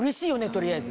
取りあえず。